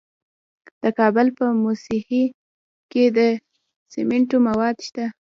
د کابل په موسهي کې د سمنټو مواد شته.